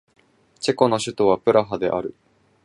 チェコの首都はプラハである